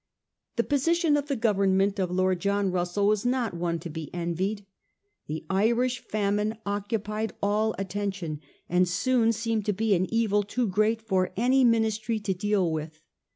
The position of the Government of Lord John Russell was not one to be envied. The Irish famine occupied all attention, and soon seemed to be an evil too great for any Ministry to deal with.